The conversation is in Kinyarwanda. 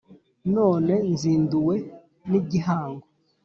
none nzinduwe n’igihango